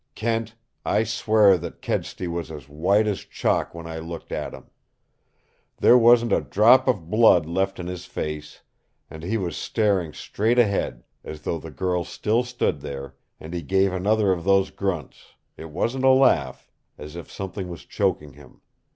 "Kent, I swear that Kedsty was as white as chalk when I looked at him! There wasn't a drop of blood left in his face, and he was staring straight ahead, as though the girl still stood there, and he gave another of those grunts it wasn't a laugh as if something was choking him.